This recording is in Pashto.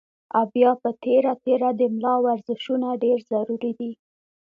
او بيا پۀ تېره تېره د ملا ورزشونه ډېر ضروري دي